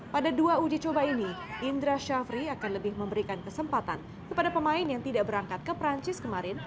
pada dua uji coba ini indra syafri akan lebih memberikan kesempatan kepada pemain yang tidak berangkat ke perancis kemarin